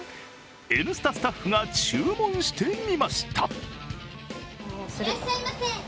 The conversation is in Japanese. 「Ｎスタ」スタッフが注文してみました。